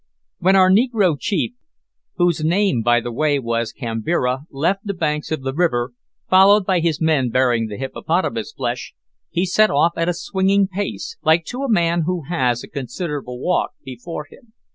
When our negro chief whose name, by the way, was Kambira left the banks of the river, followed by his men bearing the hippopotamus flesh, he set off at a swinging pace, like to a man who has a considerable walk before him.